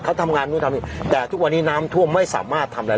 เขาทำงานนู่นทำนี่แต่ทุกวันนี้น้ำท่วมไม่สามารถทำอะไร